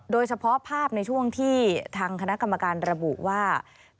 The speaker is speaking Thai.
โดยเฉพาะภาพในช่วงที่ทางคณะกรรมการระบุว่า